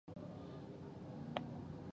هغه ډیر زيات عيبونه لري.